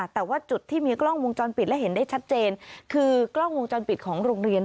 แต่ว่าจุดที่มีกล้องวงจรปิดและเห็นได้ชัดเจนคือกล้องวงจรปิดของโรงเรียน